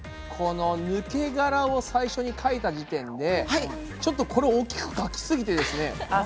この抜け殻を最初に描いた時点でちょっとこれ大きく描きすぎてですね。